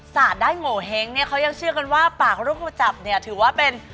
สาดได้โงเห้งเนี่ยเขายังเชื่อกันว่าปากรูปกระจับเนี่ยถือว่าเป็น